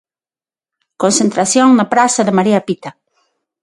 Concentración na Praza de María Pita.